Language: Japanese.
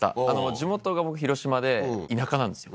地元が僕広島で田舎なんですよ